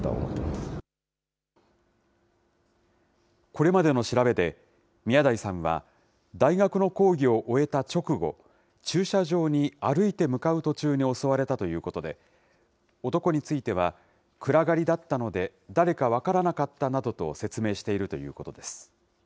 これまでの調べで、宮台さんは、大学の講義を終えた直後、駐車場に歩いて向かう途中に襲われたということで、男については、暗がりだったので、誰か分からなかったなどと説明しているということです。